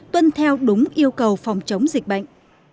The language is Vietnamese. tuân theo đúng yêu cầu phòng chống dịch bệnh